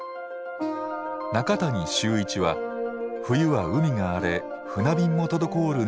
中谷秀一は冬は海が荒れ船便も滞る